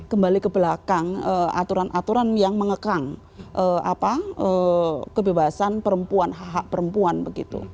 kembali ke belakang aturan aturan yang mengekang kebebasan perempuan hak hak perempuan begitu